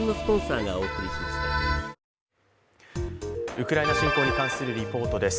ウクライナ侵攻に関するリポートです。